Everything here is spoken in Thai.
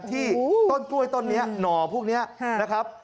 ที่ต้นกล้วยต้นนี้หน่อพวกนี้นะครับ